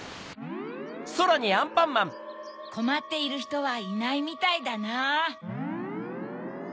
こまっているひとはいないみたいだな。